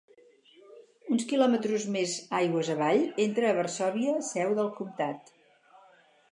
Uns quilòmetres més aigües avall entra a Varsòvia, seu del comtat.